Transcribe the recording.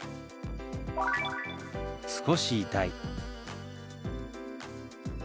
「少し痛い」。